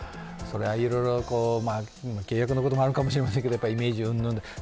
それはいろいろ契約のこともあるかもしれませんけれども、イメージ云々で。